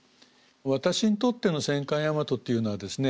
私にとっての戦艦大和というのはですね